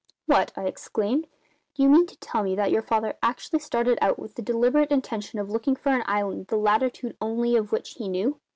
"What!" I exclaimed. "Do you mean to tell me that your father actually started out with the deliberate intention of looking for an island the latitude only of which he knew?"